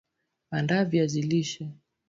Andaa viazi lishe